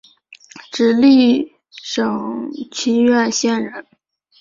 直隶省清苑县人。